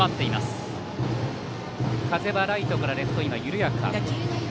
風はライトからレフト、緩やか。